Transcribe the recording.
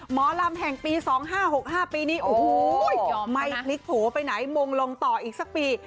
หมอลำแห่งปี๒๕๖๕ปีนี้โอ้โหไม่พลิกโผล่ไปไหนมงลงต่ออีกสักปี